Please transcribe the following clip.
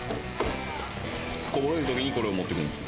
こぼれるときにこれを持ってきます。